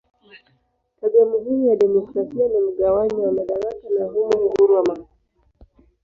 Tabia muhimu ya demokrasia ni mgawanyo wa madaraka na humo uhuru wa mahakama.